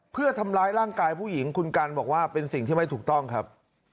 เพื่อทำร้ายร่างกายผู้หญิงคุณกันบอกว่าเป็นสิ่งที่ไม่ถูกต้องครับ